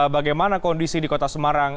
bagaimana kondisi di kota semarang